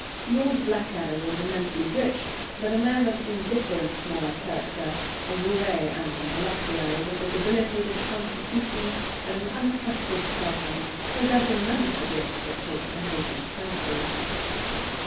Lord Blackadder was immensely rich, but a man of indifferent moral character, a roué and a voluptuary, with a debilitated constitution and an unattractive person, possessing none of the gifts that take a maiden's fancy.